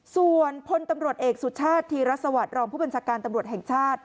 ส่วนพลตำรวจเอกสุชาติธีรสวัสดิ์รองผู้บัญชาการตำรวจแห่งชาติ